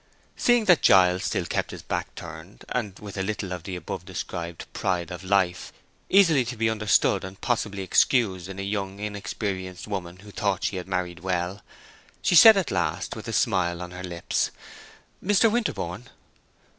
Seeing that Giles still kept his back turned, and with a little of the above described pride of life—easily to be understood, and possibly excused, in a young, inexperienced woman who thought she had married well—she said at last, with a smile on her lips, "Mr. Winterborne!"